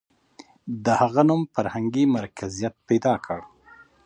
• د هغه نوم فرهنګي مرکزیت پیدا کړ.